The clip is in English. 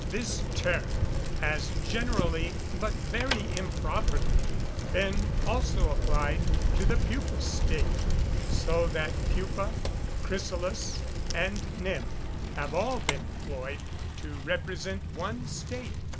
This term has generally, but very improperly, been also applied to the pupa state, so that pupa, chrysalis, and nymph have all been employed to represent one state.